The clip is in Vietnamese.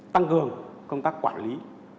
tăng cường công tác quản lý